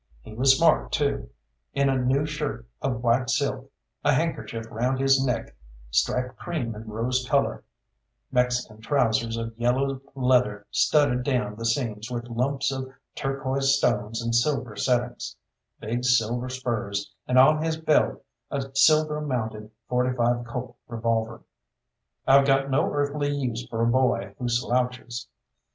He was smart, too, in a new shirt of white silk, a handkerchief round his neck striped cream and rose colour, Mexican trousers of yellow leather studded down the seams with lumps of turquoise stones in silver settings, big silver spurs, and on his belt a silver mounted 45 Colt revolver. I've got no earthly use for a boy who slouches.